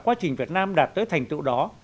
quá trình việt nam đạt tới thành tựu đó